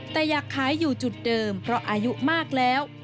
แต่อยากขายอยู่จุดเดิมเพราะอายุมากแล้ว